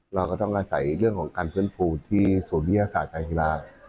เราก็ต้องการใส่เรื่องของการพื้นภูที่โซเบียสาธารณ์กีฬา